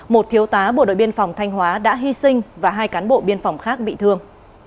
một thiếu tá bộ đội biên phòng thanh hóa đã hy sinh và hai cán bộ biên phòng khác bị thương